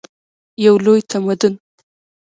یو لوی تمدن.